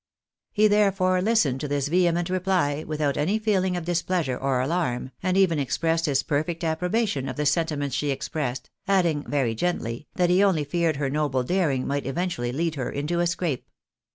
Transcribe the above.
261 He, therefore, listened to this vehement reply without any feeling of displeasure or alarm, and even expressed his perfect approbation of the sentiments she expressed, adding, very gently, that he only feared her noble daring might eventually lead her into a scrape.